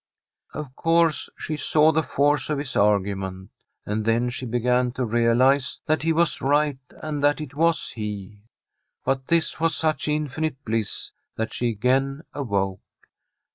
Of course she saw the force of his argument ; and then she began to realize that he was right, and that it was he. But this was such infinite bliss that she again awoke.